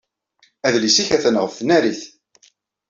Adlis-nnek atan ɣef tnarit.